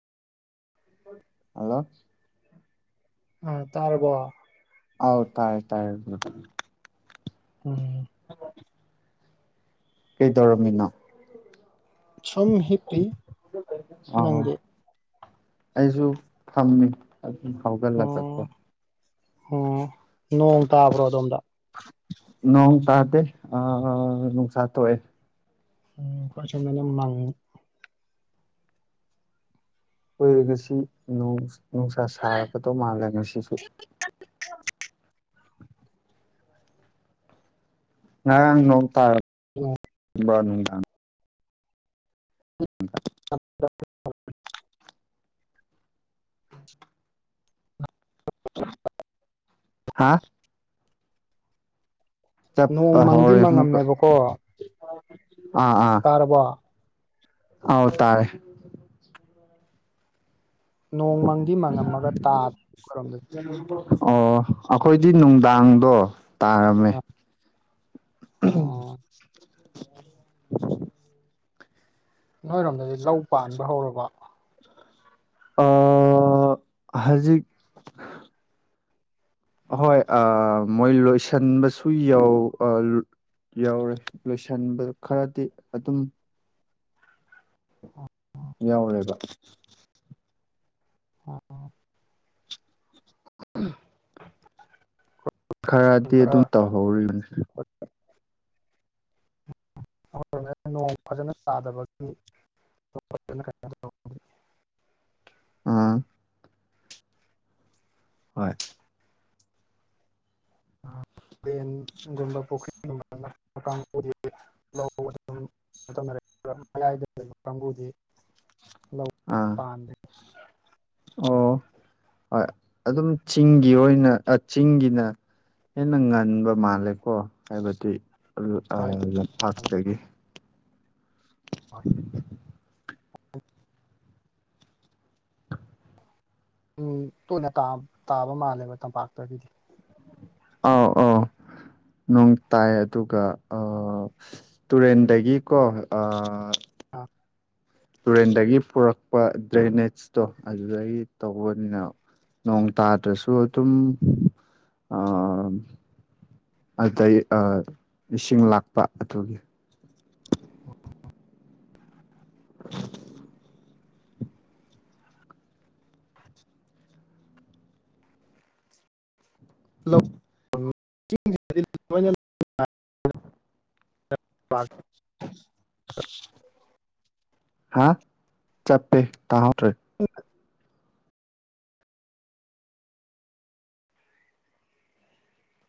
Hello ꯎ ꯇꯥꯔꯔꯕꯣ ꯍꯥꯎ ꯇꯥꯏ ꯇꯥꯏ ꯎꯝ ꯑꯃ ꯀꯩꯗꯧꯔꯝꯃꯤꯅꯣ ꯁꯨꯝ ꯍꯤꯞꯄꯤ ꯑꯥ ꯅꯪꯗꯤ꯫ ꯑꯩꯁꯨ ꯐꯝꯃꯤ ꯑꯗꯨꯝ ꯍꯧꯒꯠꯂꯒꯀꯣ꯫ ꯎꯝ ꯅꯣꯡ ꯇꯥꯕ꯭ꯔꯣ ꯑꯗꯣꯝꯗ꯫ ꯅꯣꯡ ꯇꯥꯗꯦ ꯑ ꯅꯨꯡꯁꯥ ꯊꯣꯛꯣꯛꯑꯦ꯫ ꯈꯣꯏ ꯁꯝꯅꯤꯃꯥꯡꯉꯤ꯫ ꯑꯣꯏꯣꯏꯔꯒꯁꯤ ꯅꯨꯡꯁꯥ ꯁꯥꯔꯛꯀꯗꯧ ꯃꯥꯜꯂꯦ ꯉꯁꯤꯁꯨ꯫ 'unintelligible' ꯉꯔꯡ ꯅꯣꯡ ꯇꯔ꯫ ꯎꯝ 'unintelligible' ꯎꯝ 'unaudible' ꯍꯥꯥ꯫ ꯅꯣꯡ ꯆꯠꯄ ꯃꯪꯗꯤ ꯍꯧꯥꯎꯔꯦ ꯑꯃꯨꯛꯀ꯫ ꯃꯪꯉꯝꯃꯦꯕꯀꯣ ꯑꯥ ꯑꯥ ꯇꯥꯔꯕꯣ ꯍꯥꯎ ꯇꯥꯔꯦ꯫ ꯅꯣꯡꯃꯪꯗꯤ ꯃꯪꯉꯝꯃꯒ ꯇꯥꯗꯔꯣꯝꯗ꯫ ꯑꯣ ꯑꯩꯈꯣꯏꯗꯤ ꯅꯨꯡꯗꯥꯡꯗꯣ ꯇꯥꯔꯝꯃꯦ꯫ ꯑꯣ ꯎ ꯅꯣꯏꯔꯣꯝꯗꯗꯤ ꯂꯧ ꯄꯥꯟꯕ ꯍꯧꯔꯕ꯫ ꯑ ꯍꯧꯖꯤꯛ__ ꯑꯍꯣꯏ ꯃꯣꯏ ꯂꯣꯏꯁꯤꯟꯕꯁꯨ ꯌꯥꯧ ꯑ__ ꯌꯥꯎꯔꯦ ꯂꯣꯏꯁꯤꯟꯕꯗꯨ ꯈꯔꯗꯤ ꯑꯗꯨꯝ__ 'unintelligible' ꯌꯥꯎꯔꯦꯕ꯫ 'unintelligible' 'unintelligible' ꯈꯔꯗꯤ ꯑꯗꯨꯝ ꯇꯧꯍꯧꯔꯤꯕꯅꯤ꯫ ꯅꯣꯡ ꯐꯖꯅ ꯇꯥꯗꯕꯒꯤ꯫ ꯑꯥ꯫ ꯍꯣꯏ꯫ ꯗ꯭ꯔꯦꯟ ꯒꯨꯝꯕ ꯄꯨꯈ꯭ꯔꯤꯒꯨꯝꯕ ꯀꯪꯒꯨꯗꯤ__ ꯑꯗꯥꯏꯗ ꯂꯩꯕ ꯀꯪꯒꯨꯗꯤ꯫ ꯑꯥ꯫ ꯄꯥꯝꯗꯦ꯫ ꯑꯣ ꯍꯣꯏ ꯑꯗꯨꯝ ꯆꯤꯡꯒꯤ ꯑꯣꯏꯅ ꯆꯤꯡꯒꯤꯅ__ ꯍꯦꯟꯅ ꯉꯟꯕ ꯃꯥꯜꯂꯦꯀꯣ ꯍꯣꯏ ꯍꯥꯏꯕꯗꯤꯄꯥꯛꯥꯛꯇꯒꯤ꯫ ꯍꯣꯏ꯫ ꯎ ꯇꯣꯏꯅ ꯇꯥꯕ ꯃꯥꯜꯂꯦꯕ ꯇꯝꯄꯥꯛꯇꯒꯤꯗꯤ꯫ ꯑꯥꯎ ꯑꯥꯎ ꯅꯣꯡ ꯇꯥꯏ ꯑꯗꯨꯒ ꯑ__ ꯇꯨꯔꯦꯟꯗꯒꯤꯀꯣ ꯑꯥ꯫ ꯑꯥ꯫ ꯇꯨꯔꯦꯟꯗꯒꯤ ꯄꯨꯔꯛꯄ ꯗ꯭ꯔꯦꯅꯦꯖꯇꯣ ꯑꯗꯨꯗꯒꯤ ꯇꯧꯕꯅꯤꯅ꯫ ꯅꯣꯡ ꯇꯥꯗ꯭ꯔꯁꯨ ꯑꯗꯨꯝ ꯑ__ ꯑꯗꯨꯗꯩ ꯏꯁꯤꯡ ꯂꯥꯛꯄ ꯑꯗꯨꯒꯤ꯫ 'unintelligible' [inaudible] 'unaudible' [inaudible] ꯍꯥ ꯆꯞꯄꯦ ꯇꯥꯍꯧꯗꯔꯦ ꯎꯝ